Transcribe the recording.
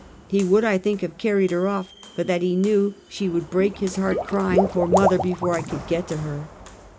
He would, I think, have carried her oflP, but that he knew she would break his heart crying for mother before I could get to her.